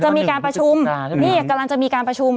จะมีการประชุมนี่กำลังจะมีการประชุม